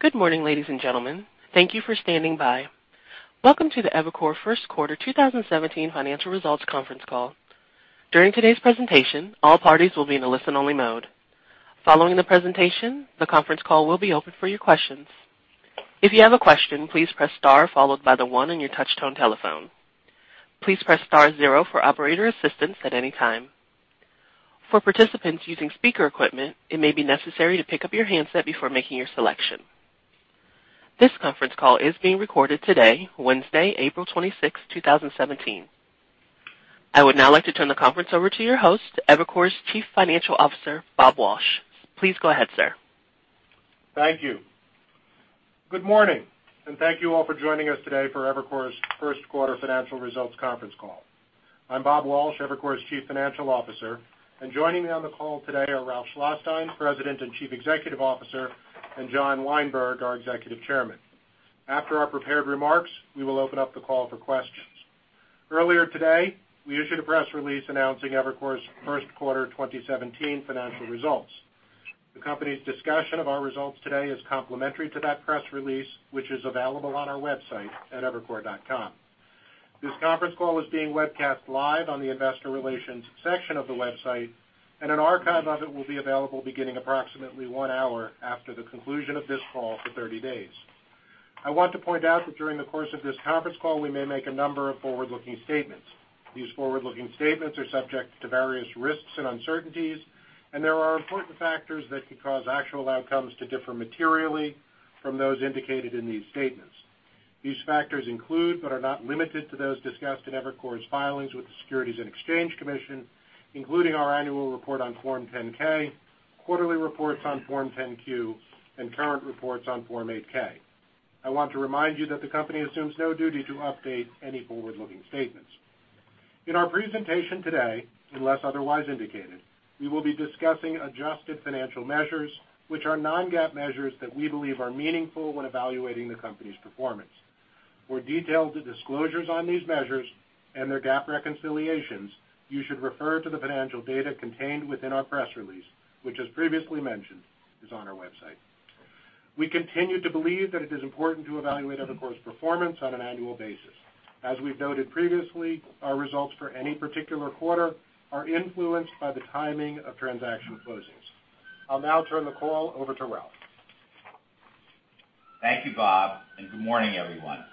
Good morning, ladies and gentlemen. Thank you for standing by. Welcome to the Evercore first quarter 2017 financial results conference call. During today's presentation, all parties will be in a listen-only mode. Following the presentation, the conference call will be open for your questions. If you have a question, please press star followed by the one on your touch-tone telephone. Please press star zero for operator assistance at any time. For participants using speaker equipment, it may be necessary to pick up your handset before making your selection. This conference call is being recorded today, Wednesday, April 26, 2017. I would now like to turn the conference over to your host, Evercore's Chief Financial Officer, Robert Walsh. Please go ahead, sir. Thank you. Good morning, and thank you all for joining us today for Evercore's first quarter financial results conference call. I'm Robert Walsh, Evercore's Chief Financial Officer, and joining me on the call today are Ralph Schlosstein, President and Chief Executive Officer, and John Weinberg, our Executive Chairman. After our prepared remarks, we will open up the call for questions. Earlier today, we issued a press release announcing Evercore's first quarter 2017 financial results. The company's discussion of our results today is complementary to that press release, which is available on our website at evercore.com. This conference call is being webcast live on the investor relations section of the website, and an archive of it will be available beginning approximately one hour after the conclusion of this call for 30 days. I want to point out that during the course of this conference call, we may make a number of forward-looking statements. These forward-looking statements are subject to various risks and uncertainties, and there are important factors that could cause actual outcomes to differ materially from those indicated in these statements. These factors include, but are not limited to, those discussed in Evercore's filings with the Securities and Exchange Commission, including our annual report on Form 10-K, quarterly reports on Form 10-Q, and current reports on Form 8-K. I want to remind you that the company assumes no duty to update any forward-looking statements. In our presentation today, unless otherwise indicated, we will be discussing adjusted financial measures, which are non-GAAP measures that we believe are meaningful when evaluating the company's performance. For detailed disclosures on these measures and their GAAP reconciliations, you should refer to the financial data contained within our press release, which, as previously mentioned, is on our website. We continue to believe that it is important to evaluate Evercore's performance on an annual basis. As we've noted previously, our results for any particular quarter are influenced by the timing of transaction closings. I'll now turn the call over to Ralph. Thank you, Bob, and good morning, everyone.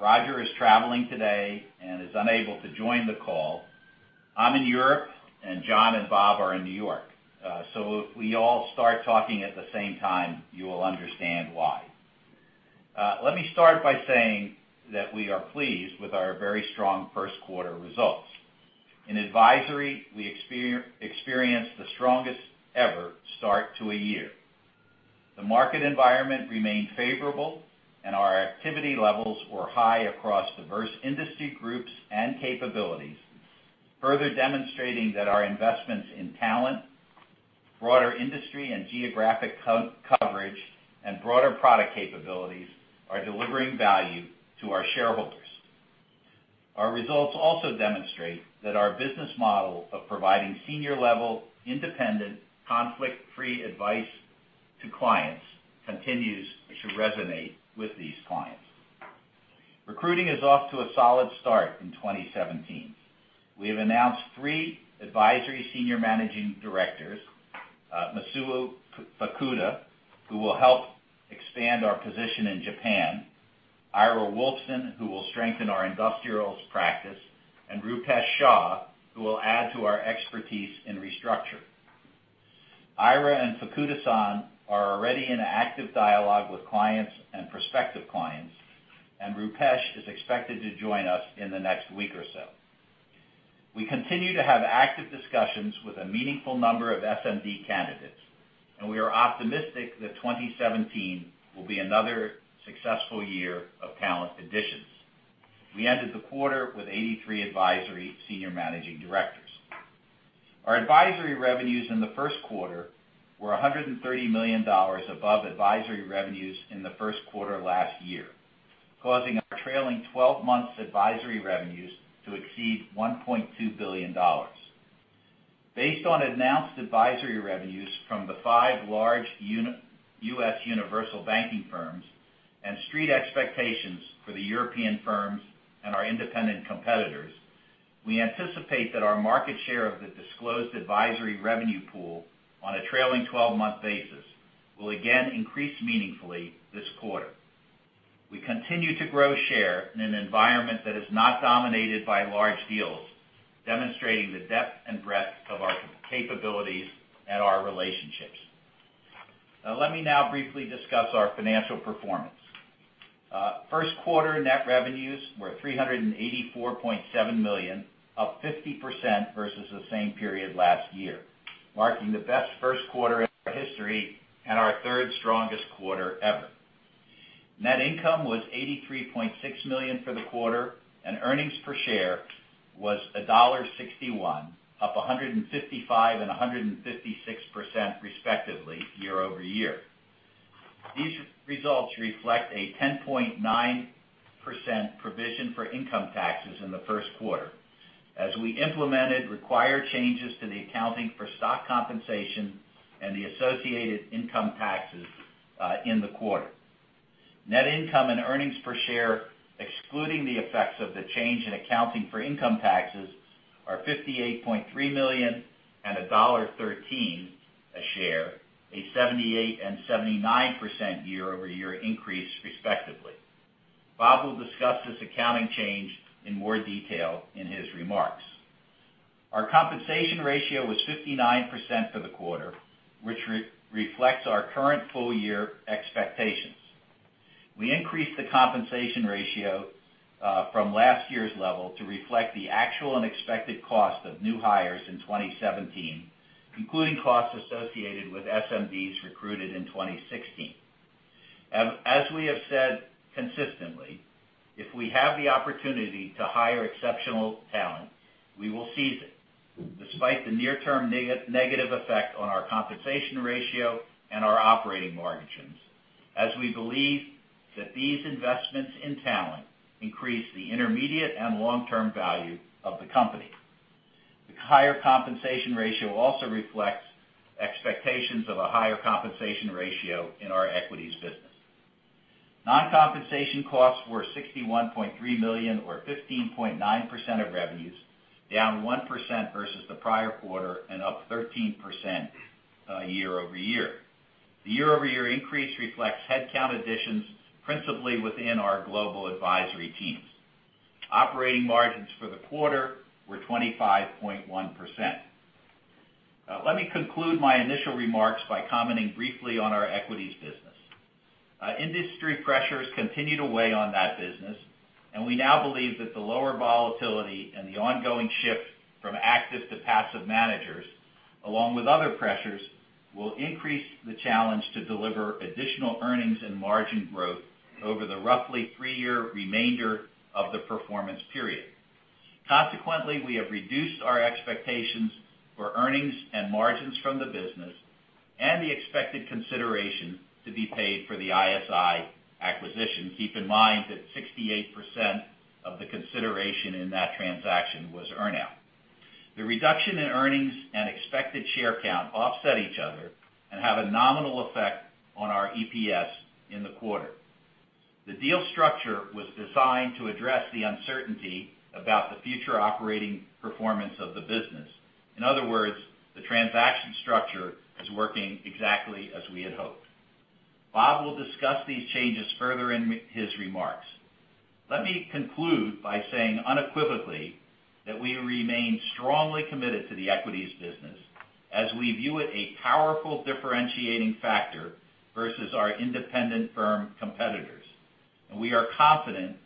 Roger is traveling today and is unable to join the call. I'm in Europe, and John and Bob are in New York. If we all start talking at the same time, you will understand why. Let me start by saying that we are pleased with our very strong first quarter results. In advisory, we experienced the strongest ever start to a year. The market environment remained favorable, and our activity levels were high across diverse industry groups and capabilities, further demonstrating that our investments in talent, broader industry and geographic coverage, and broader product capabilities are delivering value to our shareholders. Our results also demonstrate that our business model of providing senior-level, independent, conflict-free advice to clients continues to resonate with these clients. Recruiting is off to a solid start in 2017. We have announced 3 advisory Senior Managing Directors, Masuo Fukuda, who will help expand our position in Japan, Ira Wolfson, who will strengthen our industrials practice, and Roopesh Shah, who will add to our expertise in restructure. Ira and Fukuda-San are already in active dialogue with clients and prospective clients, and Roopesh is expected to join us in the next week or so. We continue to have active discussions with a meaningful number of SMD candidates, and we are optimistic that 2017 will be another successful year of talent additions. We ended the quarter with 83 advisory Senior Managing Directors. Our advisory revenues in the first quarter were $130 million above advisory revenues in the first quarter last year, causing our trailing 12 months advisory revenues to exceed $1.2 billion. Based on announced advisory revenues from the 5 large U.S. universal banking firms and Street expectations for the European firms and our independent competitors, we anticipate that our market share of the disclosed advisory revenue pool on a trailing 12-month basis will again increase meaningfully this quarter. We continue to grow share in an environment that is not dominated by large deals, demonstrating the depth and breadth of our capabilities and our relationships. Let me now briefly discuss our financial performance. First quarter net revenues were $384.7 million, up 50% versus the same period last year, marking the best first quarter in our history and our third strongest quarter ever. Net income was $83.6 million for the quarter, and earnings per share was $1.61, up 155 and 156% respectively year-over-year. These results reflect a 10.9% provision for income taxes in the first quarter. As we implemented required changes to the accounting for stock compensation and the associated income taxes in the quarter. Net income and earnings per share, excluding the effects of the change in accounting for income taxes, are $58.3 million and $1.13 a share, a 78 and 79% year-over-year increase respectively. Bob will discuss this accounting change in more detail in his remarks. Our compensation ratio was 59% for the quarter, which reflects our current full-year expectations. We increased the compensation ratio from last year's level to reflect the actual and expected cost of new hires in 2017, including costs associated with SMDs recruited in 2016. As we have said consistently, if we have the opportunity to hire exceptional talent, we will seize it, despite the near-term negative effect on our compensation ratio and our operating margins as we believe that these investments in talent increase the intermediate and long-term value of the company. The higher compensation ratio also reflects expectations of a higher compensation ratio in our equities business. Non-compensation costs were $61.3 million, or 15.9% of revenues, down 1% versus the prior quarter and up 13% year-over-year. The year-over-year increase reflects headcount additions principally within our global advisory teams. Operating margins for the quarter were 25.1%. Let me conclude my initial remarks by commenting briefly on our equities business. Industry pressures continue to weigh on that business. We now believe that the lower volatility and the ongoing shift from active to passive managers, along with other pressures, will increase the challenge to deliver additional earnings and margin growth over the roughly three-year remainder of the performance period. We have reduced our expectations for earnings and margins from the business and the expected consideration to be paid for the ISI acquisition. Keep in mind that 68% of the consideration in that transaction was earn-out. The reduction in earnings and expected share count offset each other and have a nominal effect on our EPS in the quarter. The deal structure was designed to address the uncertainty about the future operating performance of the business. The transaction structure is working exactly as we had hoped. Bob will discuss these changes further in his remarks. Let me conclude by saying unequivocally that we remain strongly committed to the equities business as we view it a powerful differentiating factor versus our independent firm competitors. We are confident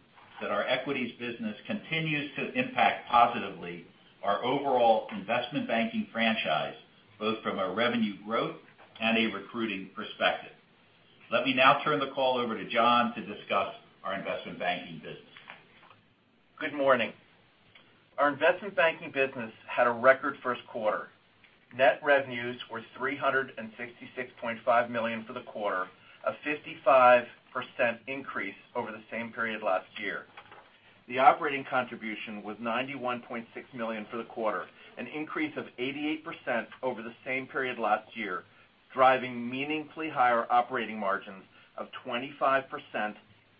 that our equities business continues to impact positively our overall investment banking franchise, both from a revenue growth and a recruiting perspective. Let me now turn the call over to John to discuss our investment banking business. Good morning. Our investment banking business had a record first quarter. Net revenues were $366.5 million for the quarter, a 55% increase over the same period last year. The operating contribution was $91.6 million for the quarter, an increase of 88% over the same period last year, driving meaningfully higher operating margins of 25%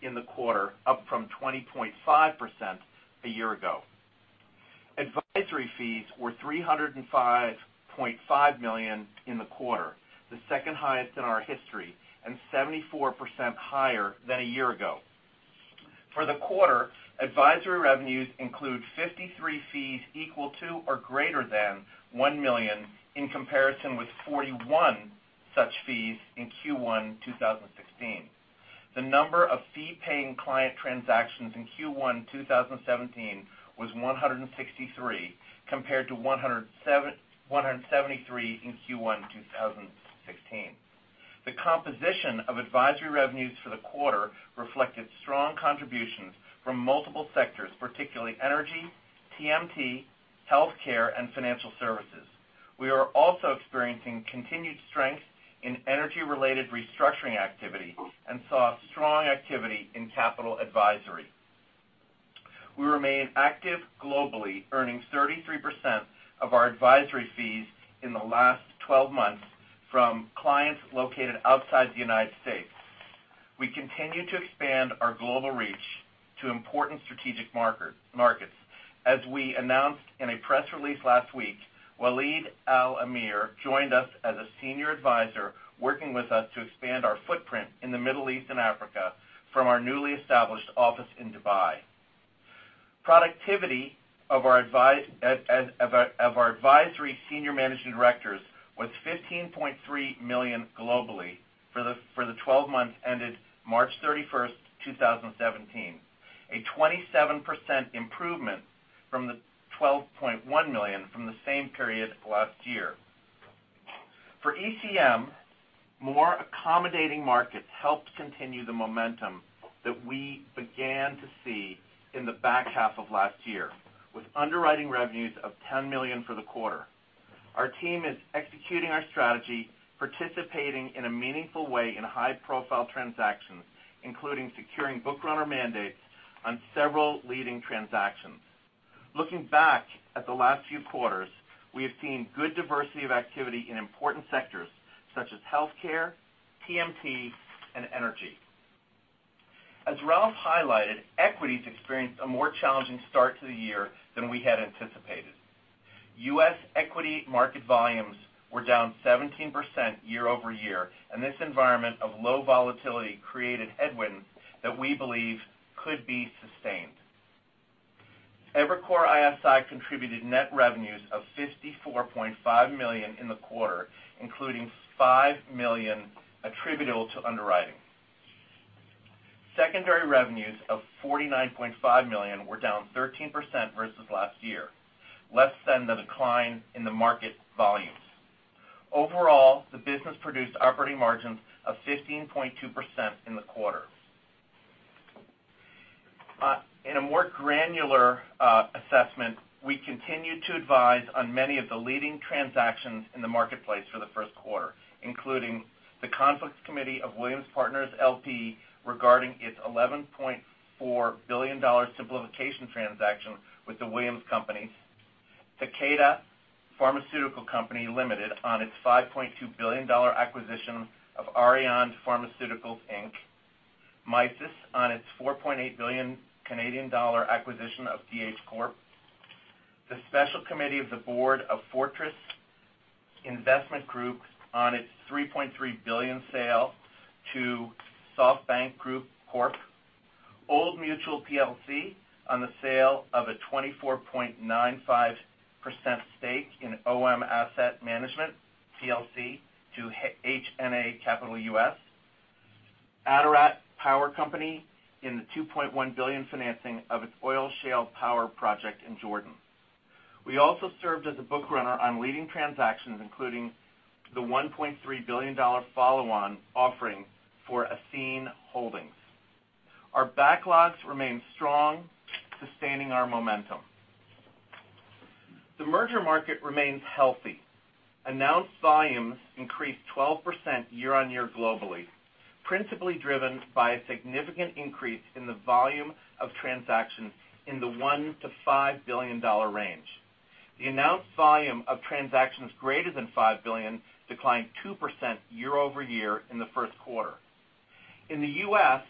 in the quarter, up from 20.5% a year ago. Advisory fees were $305.5 million in the quarter, the second highest in our history, 74% higher than a year ago. For the quarter, advisory revenues include 53 fees equal to or greater than $1 million, in comparison with 41 such fees in Q1 2016. The number of fee-paying client transactions in Q1 2017 was 163, compared to 173 in Q1 2016. The composition of advisory revenues for the quarter reflected strong contributions from multiple sectors, particularly energy, TMT, healthcare, and financial services. We are also experiencing continued strength in energy-related restructuring activity and saw strong activity in capital advisory. We remain active globally, earning 33% of our advisory fees in the last 12 months from clients located outside the U.S. We continue to expand our global reach to important strategic markets. As we announced in a press release last week, Waleed Saeed Al Awadhi joined us as a senior advisor, working with us to expand our footprint in the Middle East and Africa from our newly established office in Dubai. Productivity of our advisory senior managing directors was $15.3 million globally for the 12 months ended March 31, 2017, a 27% improvement from the $12.1 million from the same period last year. For ECM, more accommodating markets helped continue the momentum that we began to see in the back half of last year, with underwriting revenues of $10 million for the quarter. Our team is executing our strategy, participating in a meaningful way in high-profile transactions, including securing bookrunner mandates on several leading transactions. Looking back at the last few quarters, we have seen good diversity of activity in important sectors such as healthcare, TMT, and energy. As Ralph highlighted, equities experienced a more challenging start to the year than we had anticipated. U.S. equity market volumes were down 17% year-over-year, and this environment of low volatility created headwinds that we believe could be sustained. Evercore ISI contributed net revenues of $54.5 million in the quarter, including $5 million attributable to underwriting. Secondary revenues of $49.5 million were down 13% versus last year, less than the decline in the market volumes. Overall, the business produced operating margins of 15.2% in the quarter. In a more granular assessment, we continued to advise on many of the leading transactions in the marketplace for the first quarter, including the Conflicts Committee of Williams Partners L.P. regarding its $11.4 billion simplification transaction with The Williams Companies. Takeda Pharmaceutical Company Limited on its $5.2 billion acquisition of ARIAD Pharmaceuticals Inc. Misys on its 4.8 billion Canadian dollar acquisition of DH Corp. The special committee of the board of Fortress Investment Group on its $3.3 billion sale to SoftBank Group Corp. Old Mutual plc on the sale of a 24.95% stake in OM Asset Management plc to HNA Capital U.S. Attarat Power Company in the $2.1 billion financing of its oil shale power project in Jordan. We also served as a bookrunner on leading transactions, including the $1.3 billion follow-on offering for Aseana Holdings. Our backlogs remain strong, sustaining our momentum. The merger market remains healthy. Announced volumes increased 12% year-on-year globally, principally driven by a significant increase in the volume of transactions in the $1 billion-$5 billion range. The announced volume of transactions greater than $5 billion declined 2% year-over-year in the first quarter. In the U.S.,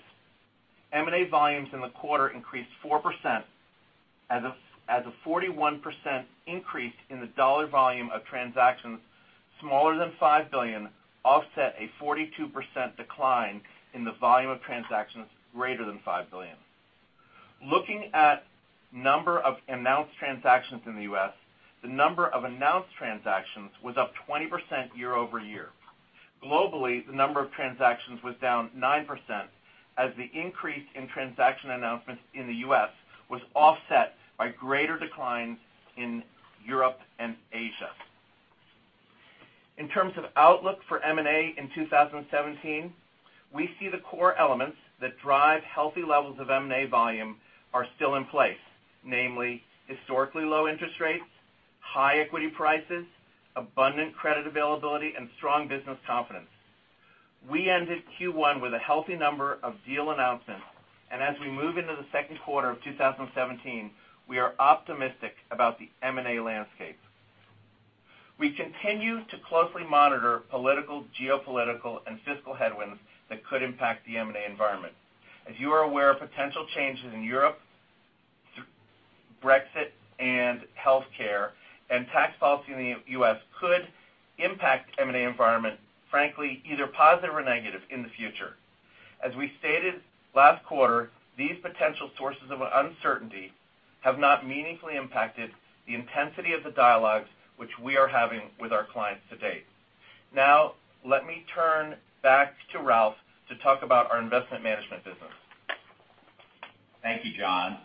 M&A volumes in the quarter increased 4% as a 41% increase in the dollar volume of transactions smaller than $5 billion offset a 42% decline in the volume of transactions greater than $5 billion. Looking at number of announced transactions in the U.S., the number of announced transactions was up 20% year-over-year. Globally, the number of transactions was down 9% as the increase in transaction announcements in the U.S. was offset by greater declines in Europe and Asia. In terms of outlook for M&A in 2017, we see the core elements that drive healthy levels of M&A volume are still in place. Namely, historically low interest rates, high equity prices, abundant credit availability, and strong business confidence. We ended Q1 with a healthy number of deal announcements, as we move into the second quarter of 2017, we are optimistic about the M&A landscape. We continue to closely monitor political, geopolitical, and fiscal headwinds that could impact the M&A environment. As you are aware, potential changes in Europe through Brexit and healthcare and tax policy in the U.S. could impact the M&A environment, frankly, either positive or negative in the future. As we stated last quarter, these potential sources of uncertainty have not meaningfully impacted the intensity of the dialogues which we are having with our clients to date. Let me turn back to Ralph to talk about our investment management business. Thank you, John.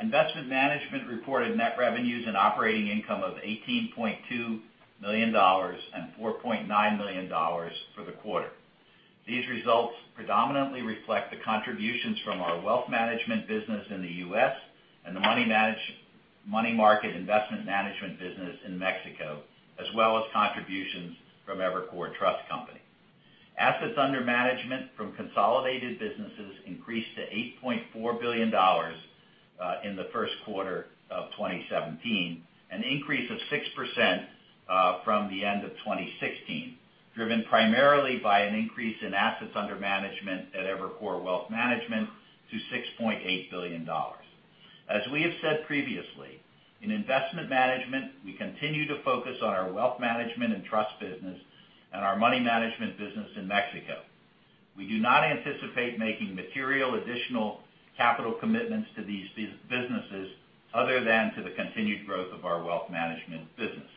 Investment Management reported net revenues and operating income of $18.2 million and $4.9 million for the quarter. These results predominantly reflect the contributions from our wealth management business in the U.S. and the money market investment management business in Mexico, as well as contributions from Evercore Trust Company. Assets under management from consolidated businesses increased to $8.4 billion in the first quarter of 2017, an increase of 6% from the end of 2016, driven primarily by an increase in assets under management at Evercore Wealth Management to $6.8 billion. As we have said previously, in investment management, we continue to focus on our wealth management and trust business and our money management business in Mexico. We do not anticipate making material additional capital commitments to these businesses other than to the continued growth of our wealth management business.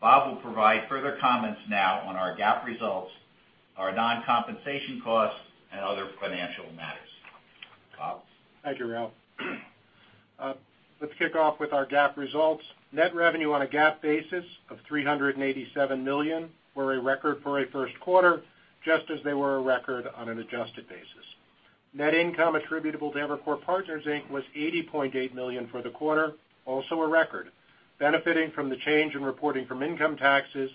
Bob will provide further comments now on our GAAP results, our non-compensation costs, and other financial matters. Bob? Thank you, Ralph. Let's kick off with our GAAP results. Net revenue on a GAAP basis of $387 million were a record for a first quarter, just as they were a record on an adjusted basis. Net income attributable to Evercore Partners Inc. was $80.8 million for the quarter, also a record, benefiting from the change in reporting from income taxes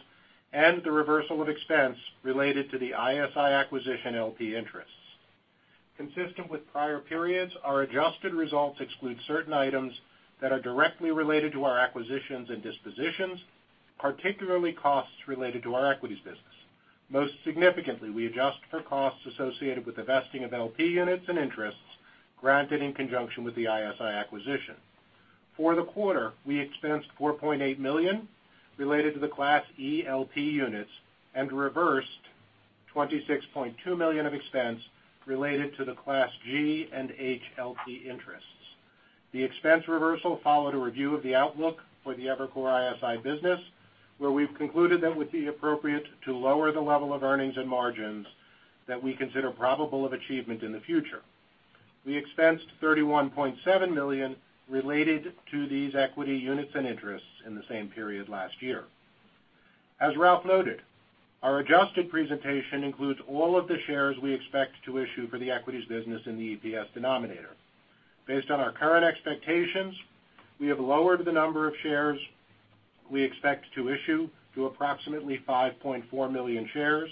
and the reversal of expense related to the ISI acquisition LP interests. Consistent with prior periods, our adjusted results exclude certain items that are directly related to our acquisitions and dispositions, particularly costs related to our equities business. Most significantly, we adjust for costs associated with the vesting of LP units and interests granted in conjunction with the ISI acquisition. For the quarter, we expensed $4.8 million related to the Class E LP units and reversed $26.2 million of expense related to the Class G and H LP interests. The expense reversal followed a review of the outlook for the Evercore ISI business, where we've concluded that it would be appropriate to lower the level of earnings and margins that we consider probable of achievement in the future. We expensed $31.7 million related to these equity units and interests in the same period last year. As Ralph noted, our adjusted presentation includes all of the shares we expect to issue for the equities business in the EPS denominator. Based on our current expectations, we have lowered the number of shares we expect to issue to approximately 5.4 million shares.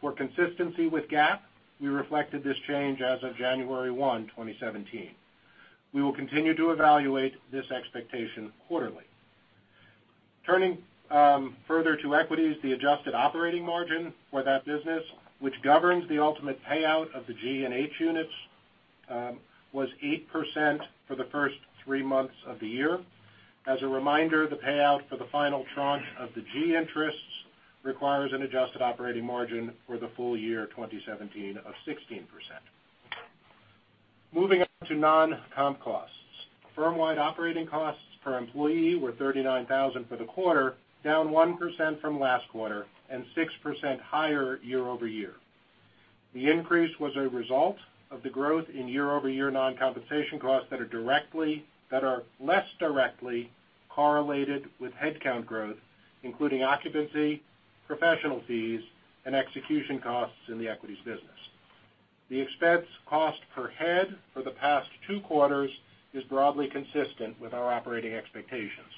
For consistency with GAAP, we reflected this change as of January 1, 2017. We will continue to evaluate this expectation quarterly. Turning further to equities, the adjusted operating margin for that business, which governs the ultimate payout of the Class G and Class H units, was 8% for the first three months of the year. As a reminder, the payout for the final tranche of the Class G interests requires an adjusted operating margin for the full year 2017 of 16%. Moving on to non-comp costs. Firm-wide operating costs per employee were $39,000 for the quarter, down 1% from last quarter and 6% higher year-over-year. The increase was a result of the growth in year-over-year non-compensation costs that are less directly correlated with headcount growth, including occupancy, professional fees, and execution costs in the equities business. The expense cost per head for the past two quarters is broadly consistent with our operating expectations.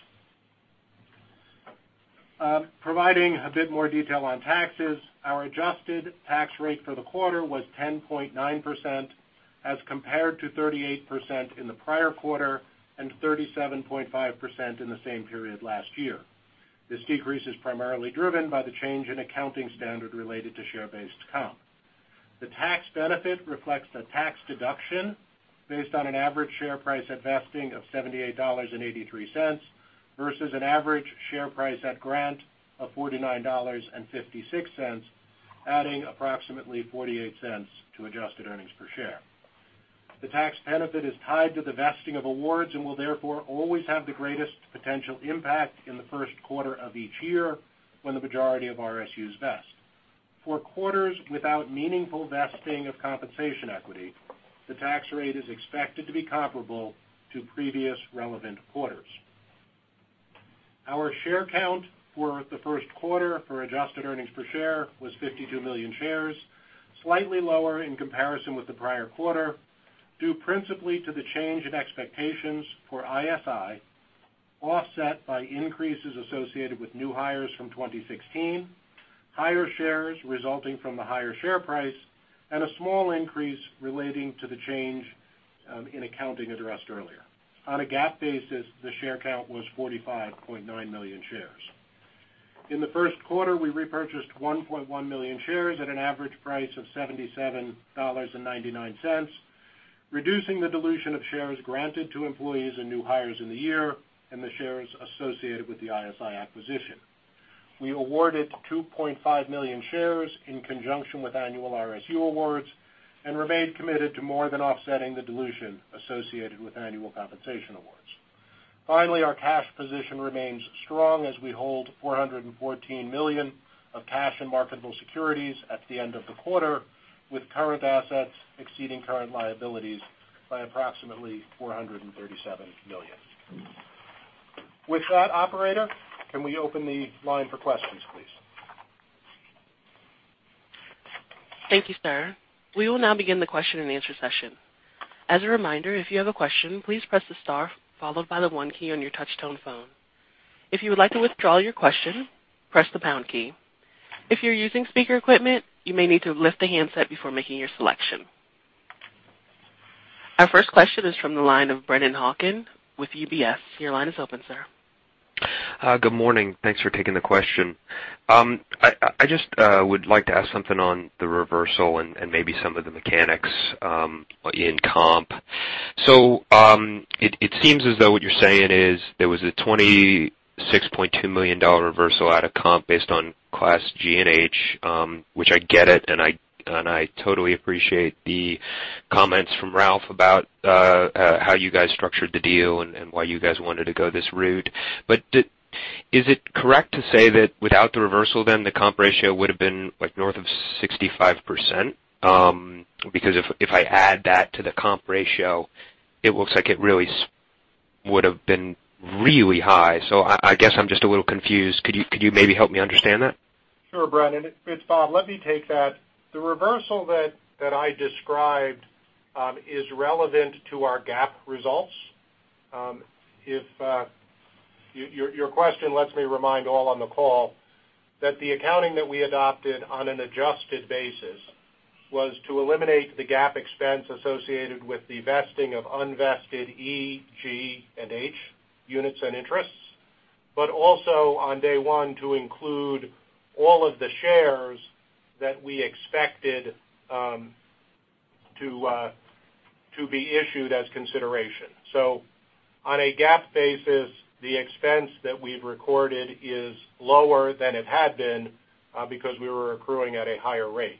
Providing a bit more detail on taxes, our adjusted tax rate for the quarter was 10.9% as compared to 38% in the prior quarter and 37.5% in the same period last year. This decrease is primarily driven by the change in accounting standard related to share-based comp. The tax benefit reflects the tax deduction based on an average share price at vesting of $78.83 versus an average share price at grant of $49.56, adding approximately $0.48 to adjusted earnings per share. The tax benefit is tied to the vesting of awards and will therefore always have the greatest potential impact in the first quarter of each year when the majority of RSUs vest. For quarters without meaningful vesting of compensation equity, the tax rate is expected to be comparable to previous relevant quarters. Our share count for the first quarter for adjusted earnings per share was 52 million shares, slightly lower in comparison with the prior quarter, due principally to the change in expectations for ISI, offset by increases associated with new hires from 2016, higher shares resulting from the higher share price, and a small increase relating to the change in accounting addressed earlier. On a GAAP basis, the share count was 45.9 million shares. In the first quarter, we repurchased 1.1 million shares at an average price of $77.99, reducing the dilution of shares granted to employees and new hires in the year and the shares associated with the ISI acquisition. We awarded 2.5 million shares in conjunction with annual RSU awards and remain committed to more than offsetting the dilution associated with annual compensation awards. Our cash position remains strong as we hold $414 million of cash and marketable securities at the end of the quarter, with current assets exceeding current liabilities by approximately $437 million. With that, operator, can we open the line for questions, please? Thank you, sir. We will now begin the question and answer session. As a reminder, if you have a question, please press the star followed by the one key on your touch tone phone. If you would like to withdraw your question, press the pound key. If you're using speaker equipment, you may need to lift the handset before making your selection. Our first question is from the line of Brennan Hawken with UBS. Your line is open, sir. Good morning. Thanks for taking the question. I just would like to ask something on the reversal and maybe some of the mechanics in comp. It seems as though what you're saying is there was a $26.2 million reversal out of comp based on Class G and H, which I get it, and I totally appreciate the comments from Ralph about how you guys structured the deal and why you guys wanted to go this route. Is it correct to say that without the reversal, the comp ratio would have been north of 65%? Because if I add that to the comp ratio, it looks like it really would have been really high. I guess I'm just a little confused. Could you maybe help me understand that? Sure, Brennan. It's Bob. Let me take that. The reversal that I described is relevant to our GAAP results. Your question lets me remind all on the call that the accounting that we adopted on an adjusted basis was to eliminate the GAAP expense associated with the vesting of unvested E, G, and H units and interests, also on day one to include all of the shares that we expected to be issued as consideration. On a GAAP basis, the expense that we've recorded is lower than it had been, because we were accruing at a higher rate.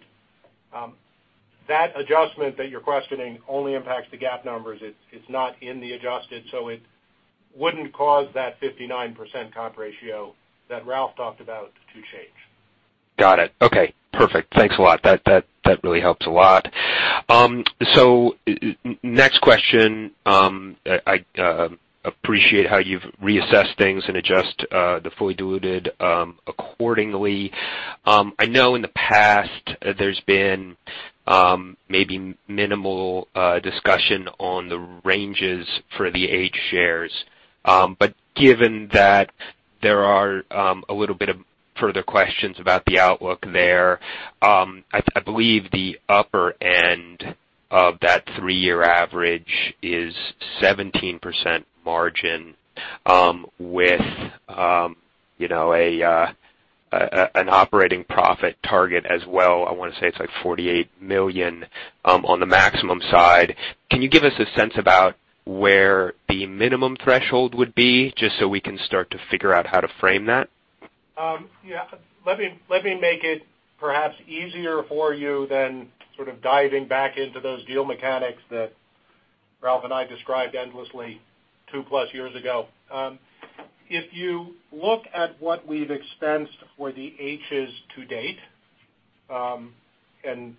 That adjustment that you're questioning only impacts the GAAP numbers. It's not in the adjusted, so it wouldn't cause that 59% comp ratio that Ralph talked about to change. Got it. Okay, perfect. Thanks a lot. That really helps a lot. Next question. I appreciate how you've reassessed things and adjust the fully diluted accordingly. I know in the past there's been maybe minimal discussion on the ranges for the H shares. Given that there are a little bit of further questions about the outlook there, I believe the upper end of that three-year average is 17% margin, with an operating profit target as well. I want to say it's like $48 million on the maximum side. Can you give us a sense about where the minimum threshold would be, just so we can start to figure out how to frame that? Yeah. Let me make it perhaps easier for you then sort of diving back into those deal mechanics that Ralph and I described endlessly two-plus years ago. If you look at what we've expensed for the Hs to date, and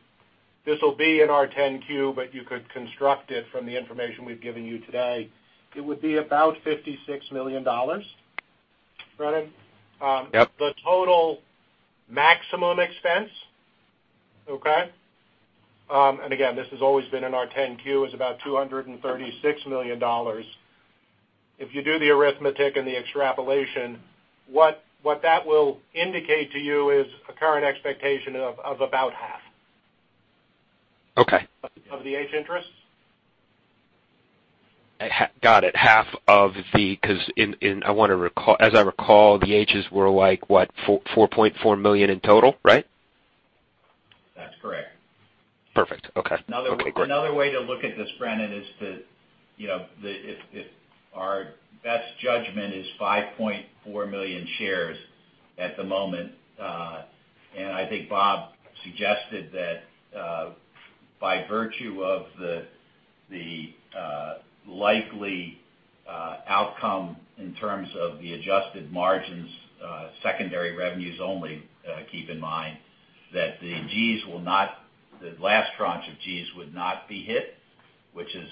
this'll be in our 10-Q, but you could construct it from the information we've given you today, it would be about $56 million. Brennan? Yep. The total maximum expense, okay? Again, this has always been in our 10-Q, is about $236 million. If you do the arithmetic and the extrapolation, what that will indicate to you is a current expectation of about half. Okay. Of the H interests. Got it. Half of the because as I recall, the Hs were like, what, 4.4 million in total, right? That's correct. Perfect. Okay. Great. Another way to look at this, Brennan, is if our best judgment is 5.4 million shares at the moment, I think Bob suggested that by virtue of the likely outcome in terms of the adjusted margins, secondary revenues only, keep in mind, that the last tranche of Gs would not be hit, which is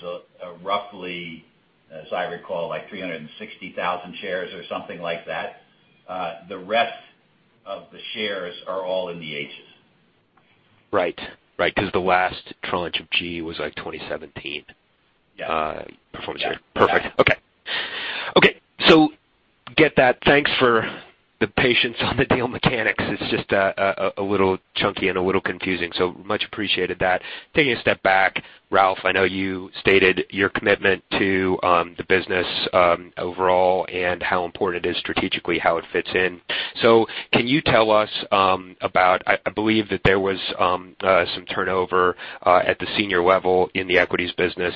roughly, as I recall, like 360,000 shares or something like that. The rest of the shares are all in the Hs. Right. The last tranche of G was like 2017. Yeah. Performance year. Perfect. Okay. Get that. Thanks for the patience on the deal mechanics. It's just a little chunky and a little confusing, much appreciated that. Taking a step back, Ralph, I know you stated your commitment to the business overall and how important it is strategically, how it fits in. Can you tell us about I believe that there was some turnover at the senior level in the equities business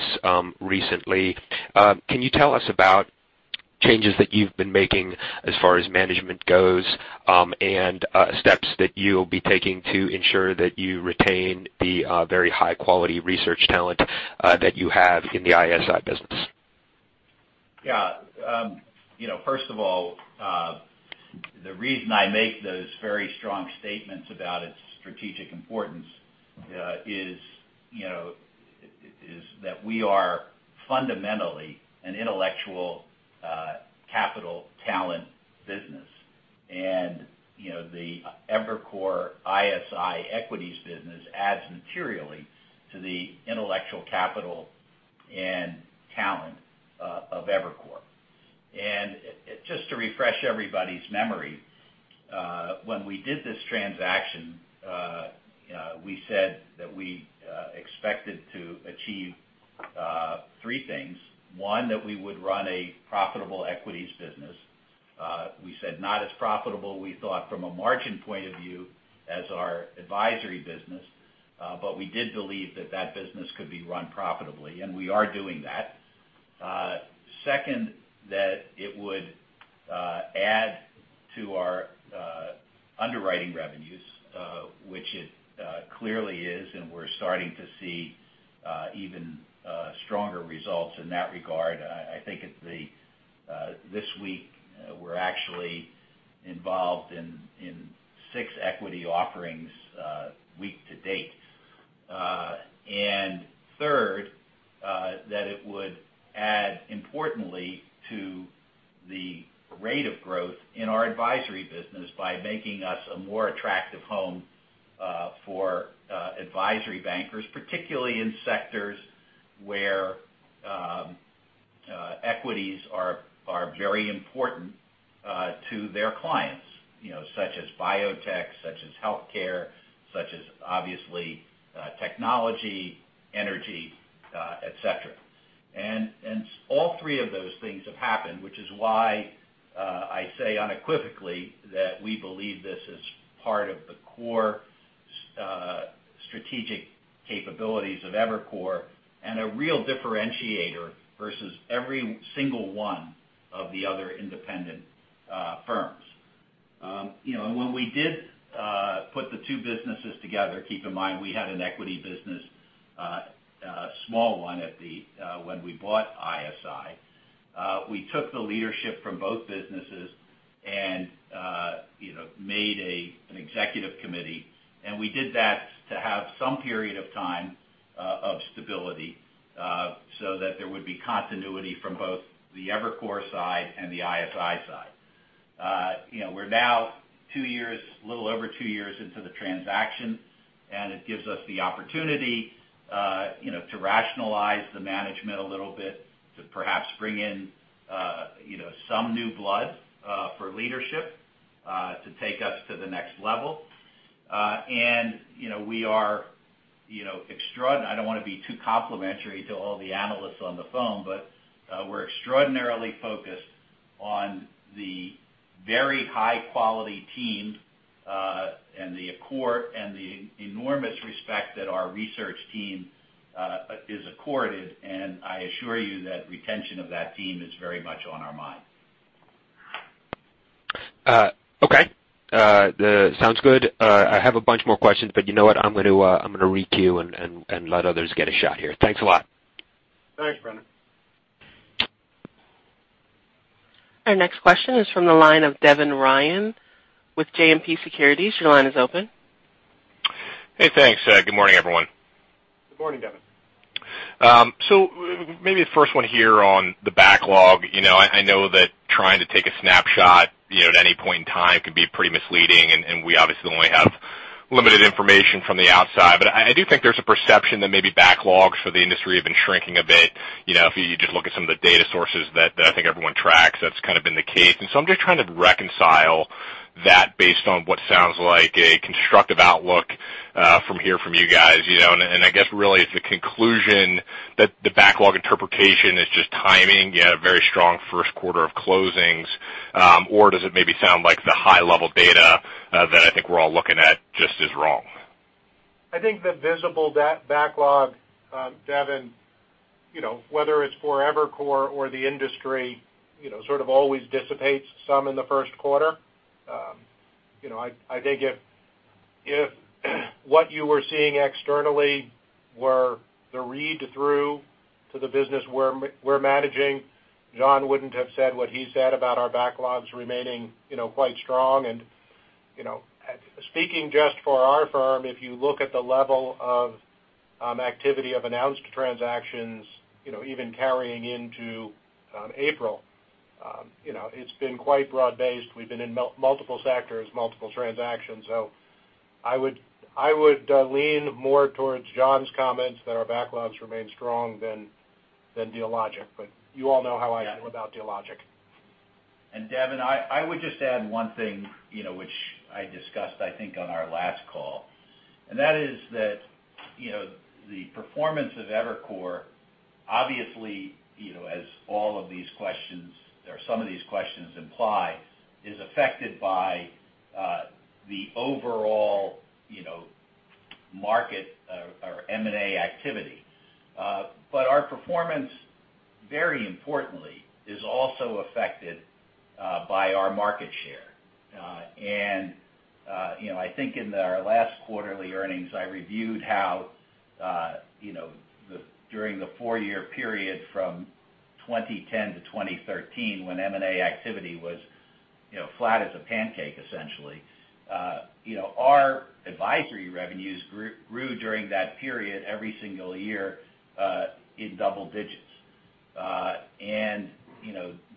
recently. Can you tell us about changes that you've been making as far as management goes, and steps that you'll be taking to ensure that you retain the very high-quality research talent that you have in the ISI business? Yeah. First of all, the reason I make those very strong statements about its strategic importance is that we are fundamentally an intellectual capital talent business. The Evercore ISI equities business adds materially to the intellectual capital and talent of Evercore. Just to refresh everybody's memory, when we did this transaction, we said that we expected to achieve three things. One, that we would run a profitable equities business. We said not as profitable we thought from a margin point of view as our advisory business, but we did believe that that business could be run profitably, and we are doing that. Second, that it would add to our underwriting revenues, which it clearly is, and we're starting to see even stronger results in that regard. I think this week we're actually involved in six equity offerings week to date. Third, that it would add importantly to the rate of growth in our advisory business by making us a more attractive home for advisory bankers, particularly in sectors where equities are very important to their clients such as biotech, such as healthcare, such as obviously technology, energy, et cetera. All three of those things have happened, which is why I say unequivocally that we believe this is part of the core strategic capabilities of Evercore and a real differentiator versus every single one of the other independent firms. When we did put the two businesses together, keep in mind we had an equity business, a small one, when we bought ISI. We took the leadership from both businesses and made an executive committee. We did that to have some period of time of stability so that there would be continuity from both the Evercore side and the ISI side. We're now a little over two years into the transaction, and it gives us the opportunity to rationalize the management a little bit, to perhaps bring in some new blood for leadership to take us to the next level. I don't want to be too complimentary to all the analysts on the phone, but we're extraordinarily focused on the very high-quality team and the accord and the enormous respect that our research team is accorded. I assure you that retention of that team is very much on our mind. Okay. Sounds good. I have a bunch more questions, but you know what? I'm going to requeue and let others get a shot here. Thanks a lot. Thanks, Brennan. Our next question is from the line of Devin Ryan with JMP Securities. Your line is open. Hey, thanks. Good morning, everyone. Good morning, Devin. Maybe the first one here on the backlog. I know that trying to take a snapshot at any point in time can be pretty misleading, and we obviously only have limited information from the outside. I do think there's a perception that maybe backlogs for the industry have been shrinking a bit. If you just look at some of the data sources that I think everyone tracks, that's kind of been the case. I'm just trying to reconcile that based on what sounds like a constructive outlook from here from you guys. I guess really is the conclusion that the backlog interpretation is just timing, very strong first quarter of closings, or does it maybe sound like the high-level data that I think we're all looking at just is wrong? I think the visible backlog, Devin, whether it's for Evercore or the industry, sort of always dissipates some in the first quarter. I think if what you were seeing externally were the read-through to the business we're managing, John wouldn't have said what he said about our backlogs remaining quite strong. Speaking just for our firm, if you look at the level of activity of announced transactions even carrying into April, it's been quite broad-based. We've been in multiple sectors, multiple transactions. I would lean more towards John's comments that our backlogs remain strong than Dealogic, but you all know how I feel about Dealogic. Devin, I would just add one thing which I discussed, I think, on our last call. That is that the performance of Evercore, obviously, as all of these questions or some of these questions imply, is affected by the overall market or M&A activity. Our performance, very importantly, is also affected by our market share. I think in our last quarterly earnings, I reviewed how during the four-year period from 2010 to 2013, when M&A activity was flat as a pancake, essentially, our advisory revenues grew during that period every single year in double digits.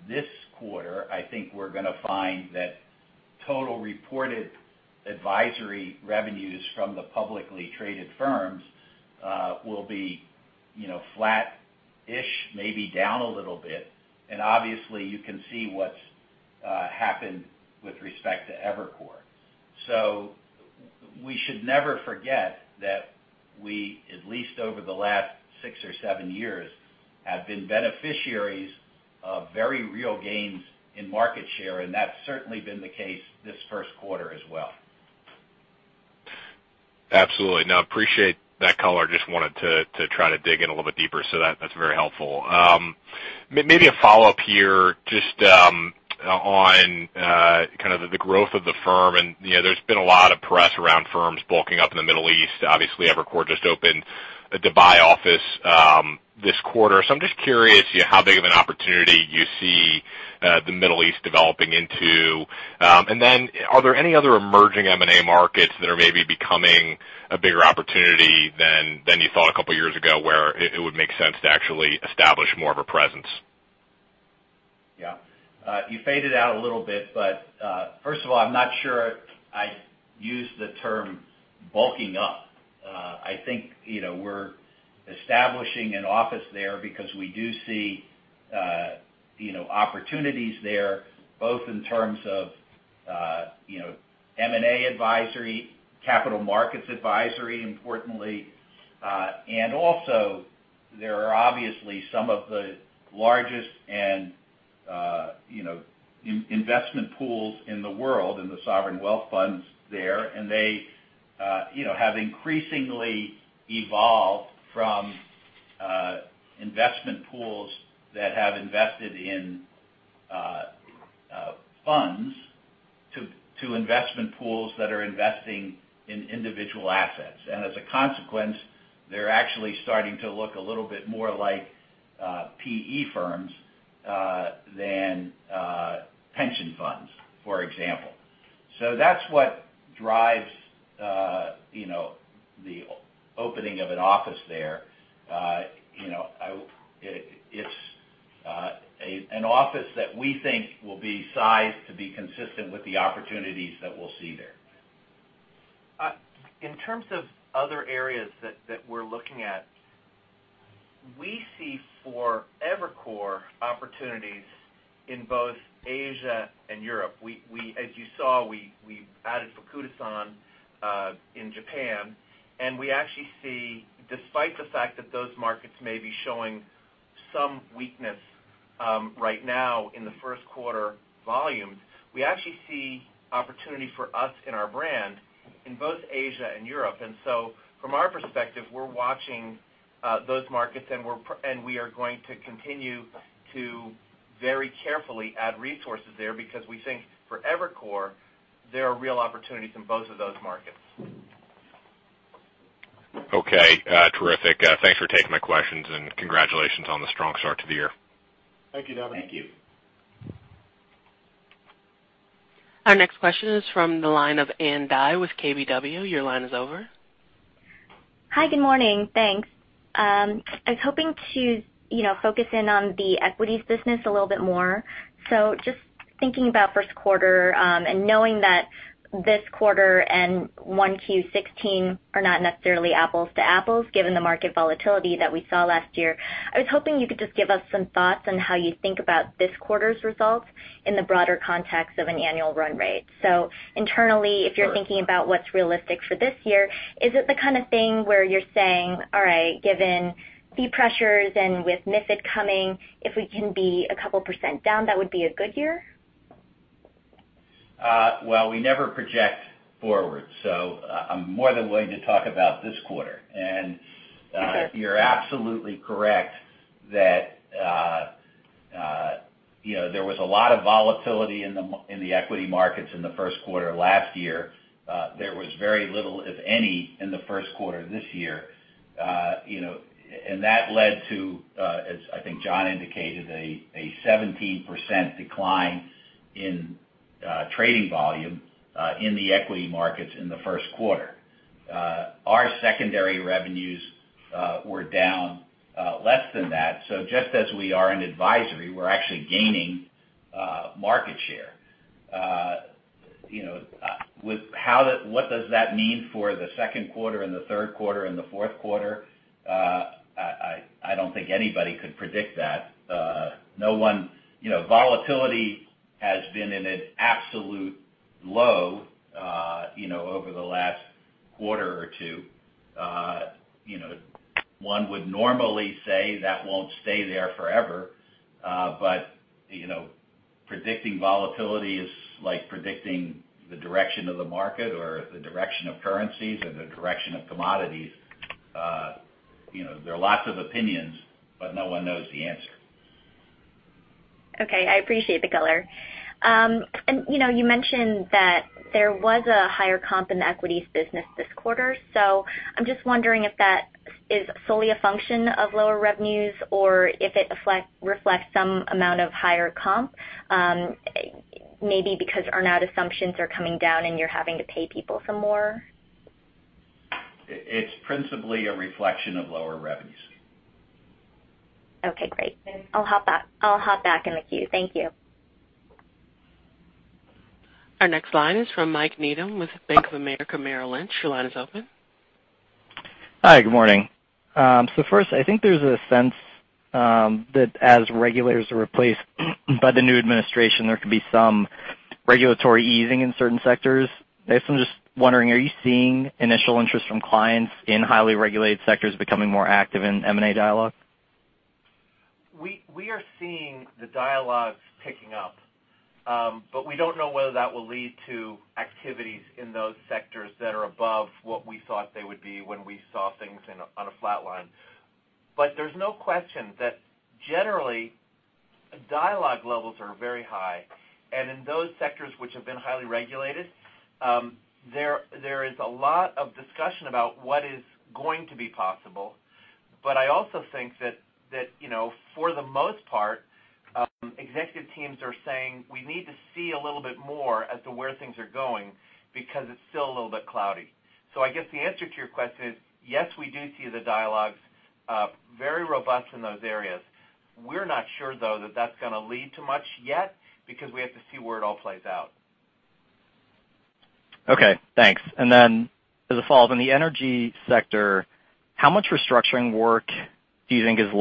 This quarter, I think we're going to find that total reported advisory revenues from the publicly traded firms will be flat-ish, maybe down a little bit. Obviously, you can see what's happened with respect to Evercore. We should never forget that we, at least over the last six or seven years, have been beneficiaries of very real gains in market share, and that's certainly been the case this first quarter as well. Absolutely. No, appreciate that color. Just wanted to try to dig in a little bit deeper, so that's very helpful. Maybe a follow-up here just on kind of the growth of the firm. There's been a lot of press around firms bulking up in the Middle East. Obviously, Evercore just opened a Dubai office this quarter. I'm just curious how big of an opportunity you see the Middle East developing into. Then are there any other emerging M&A markets that are maybe becoming a bigger opportunity than you thought a couple of years ago, where it would make sense to actually establish more of a presence? Yeah. You faded out a little bit, but first of all, I'm not sure I'd use the term bulking up. I think we're establishing an office there because we do see opportunities there, both in terms of M&A advisory, capital markets advisory, importantly, and also, there are obviously some of the largest investment pools in the world in the sovereign wealth funds there, and they have increasingly evolved from investment pools that have invested in funds to investment pools that are investing in individual assets. As a consequence, they're actually starting to look a little bit more like PE firms than pension funds, for example. That's what drives the opening of an office there. It's an office that we think will be sized to be consistent with the opportunities that we'll see there. In terms of other areas that we're looking at, we see, for Evercore, opportunities in both Asia and Europe. As you saw, we added Fukuda-San in Japan, and we actually see, despite the fact that those markets may be showing some weakness right now in the first quarter volumes, we actually see opportunity for us and our brand in both Asia and Europe. From our perspective, we're watching those markets, and we are going to continue to very carefully add resources there because we think for Evercore, there are real opportunities in both of those markets. Okay. Terrific. Thanks for taking my questions and congratulations on the strong start to the year. Thank you, Devin. Thank you. Our next question is from the line of Ann Dai with KBW. Your line is open. Hi, good morning. Thanks. I was hoping to focus in on the equities business a little bit more. Just thinking about first quarter and knowing that this quarter and Q1 2016 are not necessarily apples to apples, given the market volatility that we saw last year. I was hoping you could just give us some thoughts on how you think about this quarter's results in the broader context of an annual run rate. Internally, if you're thinking about what's realistic for this year, is it the kind of thing where you're saying, all right, given fee pressures and with MiFID coming, if we can be a couple % down, that would be a good year? Well, we never project forward, I'm more than willing to talk about this quarter. You're absolutely correct that there was a lot of volatility in the equity markets in the first quarter last year. There was very little, if any, in the first quarter this year. That led to, as I think John indicated, a 17% decline in trading volume in the equity markets in the first quarter. Our secondary revenues were down less than that. Just as we are in advisory, we're actually gaining market share. What does that mean for the second quarter and the third quarter and the fourth quarter? I don't think anybody could predict that. Volatility has been in an absolute low over the last quarter or two. One would normally say that won't stay there forever, predicting volatility is like predicting the direction of the market or the direction of currencies or the direction of commodities. There are lots of opinions, no one knows the answer. Okay, I appreciate the color. You mentioned that there was a higher comp in the equities business this quarter. I'm just wondering if that is solely a function of lower revenues or if it reflects some amount of higher comp, maybe because earn-out assumptions are coming down and you're having to pay people some more. It's principally a reflection of lower revenues. Okay, great. I'll hop back in the queue. Thank you. Our next line is from Michael Needham with Bank of America, Merrill Lynch. Your line is open. Hi, good morning. First, I think there's a sense that as regulators are replaced by the new administration, there could be some regulatory easing in certain sectors. I'm just wondering, are you seeing initial interest from clients in highly regulated sectors becoming more active in M&A dialogue? We are seeing the dialogues picking up, we don't know whether that will lead to activities in those sectors that are above what we thought they would be when we saw things on a flat line. There's no question that generally dialogue levels are very high, and in those sectors which have been highly regulated, there is a lot of discussion about what is going to be possible. I also think that for the most part, executive teams are saying we need to see a little bit more as to where things are going because it's still a little bit cloudy. I guess the answer to your question is, yes, we do see the dialogues very robust in those areas. We're not sure, though, that that's going to lead to much yet because we have to see where it all plays out. Okay, thanks. As a follow-up, in the energy sector, how much restructuring work do you think is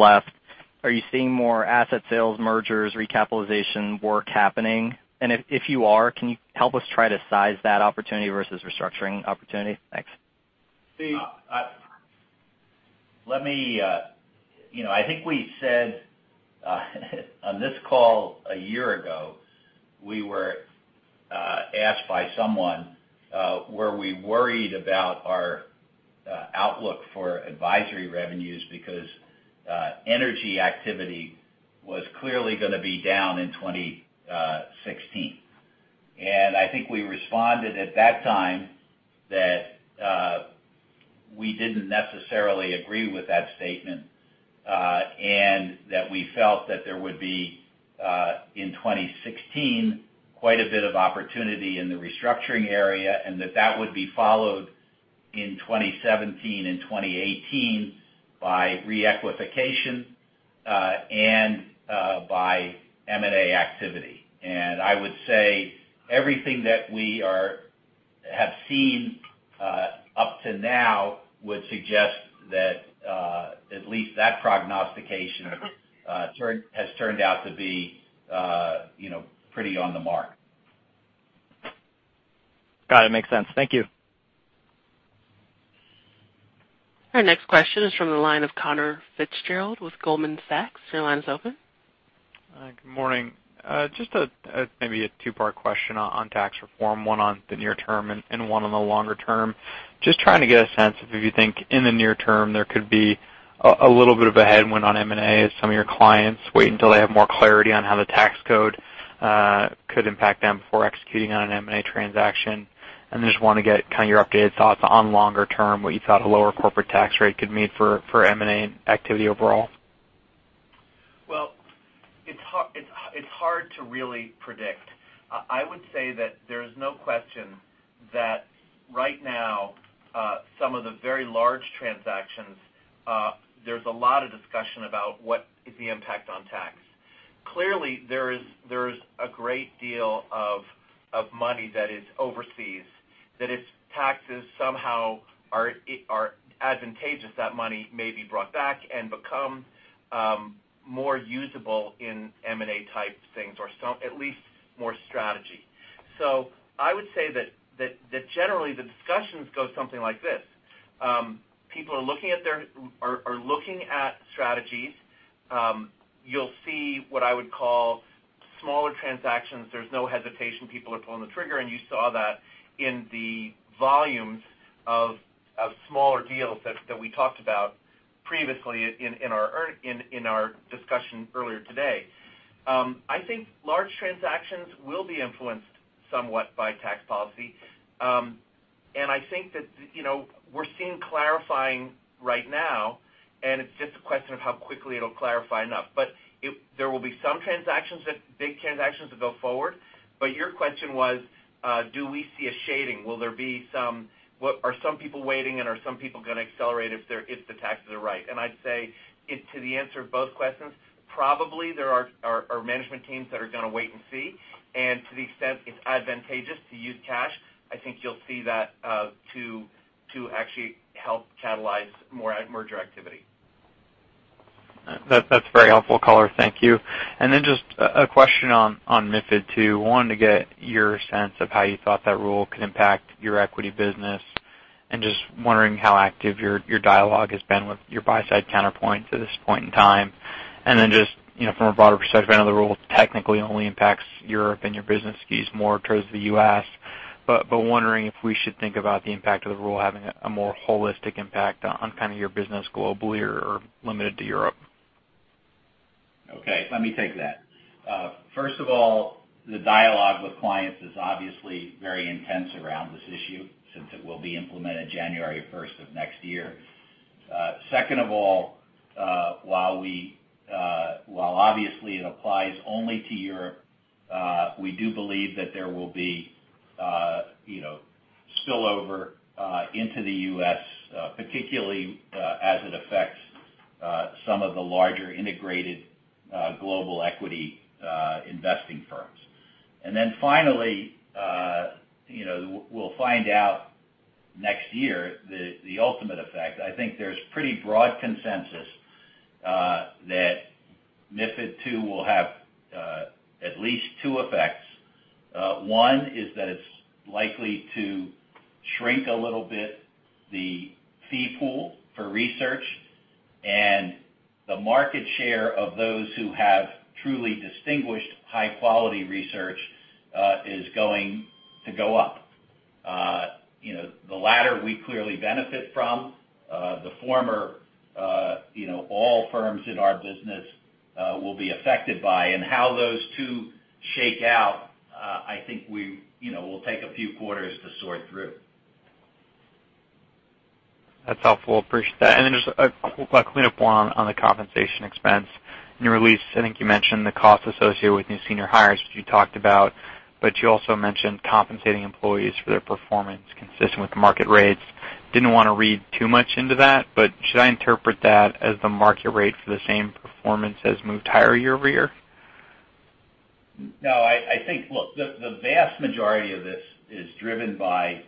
left? Are you seeing more asset sales, mergers, recapitalization work happening? If you are, can you help us try to size that opportunity versus restructuring opportunity? Thanks. I think we said on this call a year ago, we were asked by someone were we worried about our outlook for advisory revenues because energy activity was clearly going to be down in 2016. I think we responded at that time that we didn't necessarily agree with that statement, and that we felt that there would be, in 2016, quite a bit of opportunity in the restructuring area, and that that would be followed in 2017 and 2018 by re-equitization and by M&A activity. I would say everything that we have seen up to now would suggest that at least that prognostication has turned out to be pretty on the mark. Got it. Makes sense. Thank you. Our next question is from the line of Conor Fitzgerald with Goldman Sachs. Your line is open. Hi, good morning. Just maybe a two-part question on tax reform, one on the near term and one on the longer term. Just trying to get a sense of if you think in the near term, there could be a little bit of a headwind on M&A as some of your clients wait until they have more clarity on how the tax code could impact them before executing on an M&A transaction. Just want to get your updated thoughts on longer term, what you thought a lower corporate tax rate could mean for M&A activity overall. Well, it's hard to really predict. I would say that there is no question that right now, some of the very large transactions, there's a lot of discussion about what is the impact on tax. Clearly, there is a great deal of money that is overseas that if taxes somehow are advantageous, that money may be brought back and become more usable in M&A type things or at least more strategy. I would say that generally the discussions go something like this. People are looking at strategies. You'll see what I would call smaller transactions. There's no hesitation. People are pulling the trigger, and you saw that in the volumes of smaller deals that we talked about previously in our discussion earlier today. I think large transactions will be influenced somewhat by tax policy. I think that we're seeing clarifying right now, it's just a question of how quickly it'll clarify enough. There will be some big transactions that go forward. Your question was, do we see a shading? Are some people waiting and are some people going to accelerate if the taxes are right? I'd say to the answer of both questions, probably there are management teams that are going to wait and see. To the extent it's advantageous to use cash, I think you'll see that to actually help catalyze more merger activity. That's very helpful, caller. Thank you. Just a question on MiFID II. Wanted to get your sense of how you thought that rule could impact your equity business, and just wondering how active your dialogue has been with your buy side counterparts at this point in time. Just from a broader perspective, I know the rule technically only impacts Europe and your business skews more towards the U.S., but wondering if we should think about the impact of the rule having a more holistic impact on your business globally or limited to Europe. Okay, let me take that. First of all, the dialogue with clients is obviously very intense around this issue since it will be implemented January 1st of next year. Second of all, while obviously it applies only to Europe, we do believe that there will be spillover into the U.S., particularly as it affects some of the larger integrated global equity investing firms. Finally, we'll find out next year the ultimate effect. I think there's pretty broad consensus that MiFID II will have at least two effects. One is that it's likely to shrink a little bit the fee pool for research, and the market share of those who have truly distinguished high-quality research is going to go up. The latter we clearly benefit from. The former, all firms in our business will be affected by. How those two shake out, I think will take a few quarters to sort through. That's helpful. Appreciate that. Just a quick cleanup one on the compensation expense. In your release, I think you mentioned the cost associated with new senior hires, which you talked about, but you also mentioned compensating employees for their performance consistent with market rates. Didn't want to read too much into that, but should I interpret that as the market rate for the same performance has moved higher year-over-year? No. Look, the vast majority of this is driven by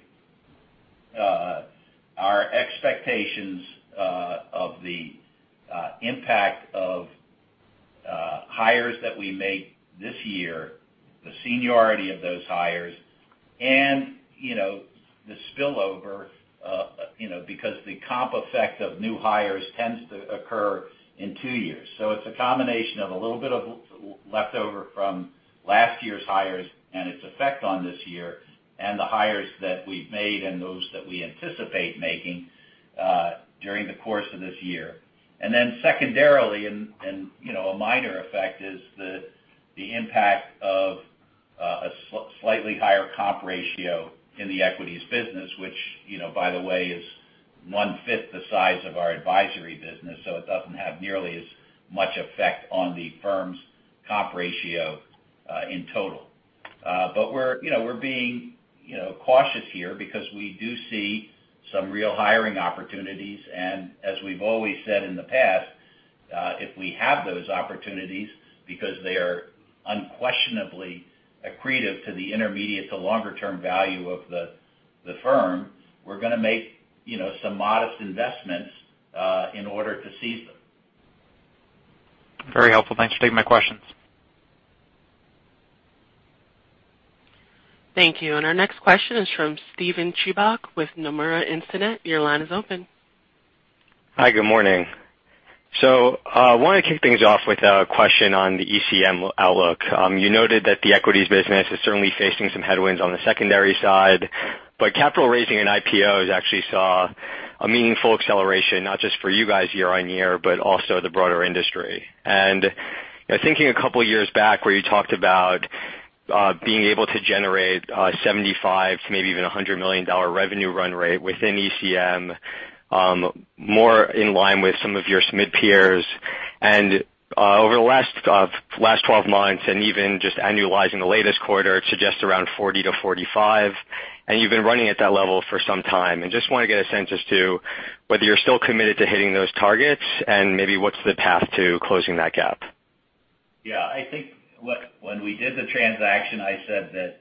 our expectations of the impact of hires that we make this year, the seniority of those hires, and the spillover because the comp effect of new hires tends to occur in two years. It's a combination of a little bit of leftover from last year's hires and its effect on this year, and the hires that we've made and those that we anticipate making during the course of this year. Secondarily, and a minor effect, is the impact of a slightly higher comp ratio in the equities business, which, by the way, is one-fifth the size of our advisory business, so it doesn't have nearly as much effect on the firm's comp ratio in total. We're being cautious here because we do see some real hiring opportunities, and as we've always said in the past, if we have those opportunities because they are unquestionably accretive to the intermediate to longer-term value of the firm, we're going to make some modest investments in order to seize them. Very helpful. Thanks for taking my questions. Thank you. Our next question is from Steven Chubak with Nomura Instinet. Your line is open. Hi, good morning. I want to kick things off with a question on the ECM outlook. You noted that the equities business is certainly facing some headwinds on the secondary side, but capital raising in IPOs actually saw a meaningful acceleration, not just for you guys year-on-year, but also the broader industry. Thinking a couple of years back where you talked about being able to generate $75 million to maybe even $100 million revenue run rate within ECM, more in line with some of your mid-peers. Over the last 12 months, even just annualizing the latest quarter, it suggests around $40 million to $45 million. You've been running at that level for some time. Just want to get a sense as to whether you're still committed to hitting those targets and maybe what's the path to closing that gap? I think when we did the transaction, I said that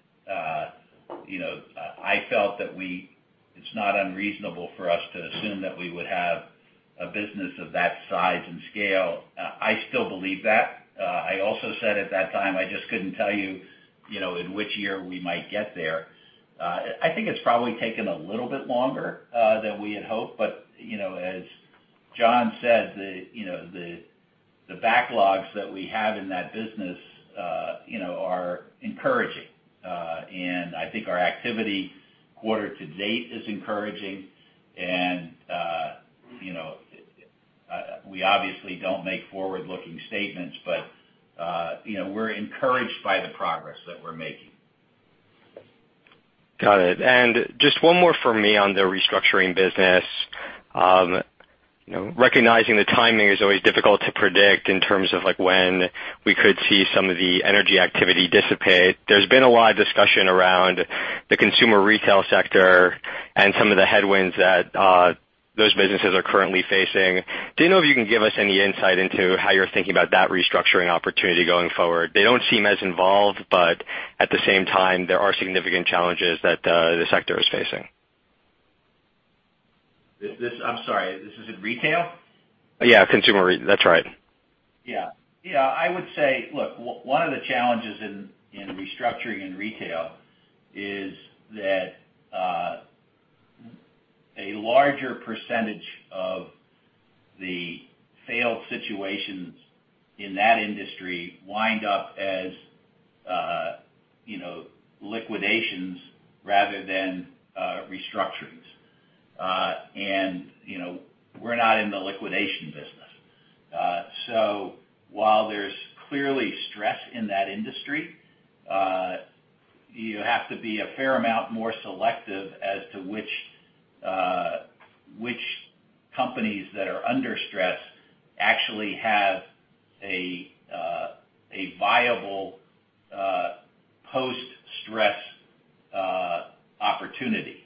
I felt that it's not unreasonable for us to assume that we would have a business of that size and scale. I still believe that. I also said at that time, I just couldn't tell you in which year we might get there. I think it's probably taken a little bit longer than we had hoped, but as John said, the backlogs that we have in that business are encouraging. I think our activity quarter to date is encouraging. We obviously don't make forward-looking statements, but we're encouraged by the progress that we're making. Got it. Just one more for me on the restructuring business. Recognizing the timing is always difficult to predict in terms of when we could see some of the energy activity dissipate. There's been a lot of discussion around the consumer retail sector and some of the headwinds that those businesses are currently facing. Do you know if you can give us any insight into how you're thinking about that restructuring opportunity going forward? They don't seem as involved, but at the same time, there are significant challenges that the sector is facing. I'm sorry, this is in retail? Yeah, consumer retail. That's right. Yeah. I would say, look, one of the challenges in restructuring in retail is that a larger percentage of the failed situations in that industry wind up as liquidations rather than restructurings. We're not in the liquidation business. While there's clearly stress in that industry, you have to be a fair amount more selective as to which companies that are under stress actually have a viable post-stress opportunity.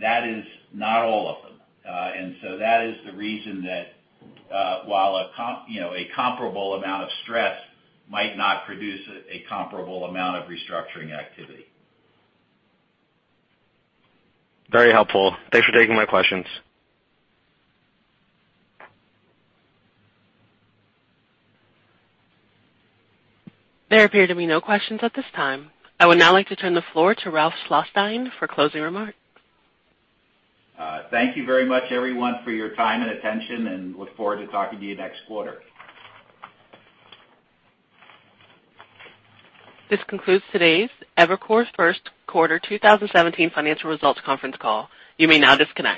That is not all of them. That is the reason that while a comparable amount of stress might not produce a comparable amount of restructuring activity. Very helpful. Thanks for taking my questions. There appear to be no questions at this time. I would now like to turn the floor to Ralph Schlosstein for closing remarks. Thank you very much, everyone, for your time and attention, and look forward to talking to you next quarter. This concludes today's Evercore's First Quarter 2017 Financial Results Conference Call. You may now disconnect.